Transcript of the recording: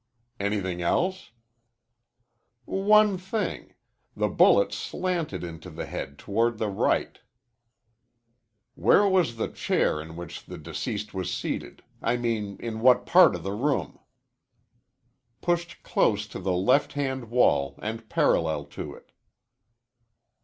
"Anything else?" "One thing. The bullet slanted into the head toward the right." "Where was the chair in which the deceased was seated? I mean in what part of the room." "Pushed close to the left hand wall and parallel to it."